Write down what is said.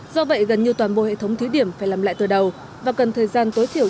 do vậy gần như toàn bộ hệ thống thí điểm phải làm lại từ đầu và cần thời gian tối thiểu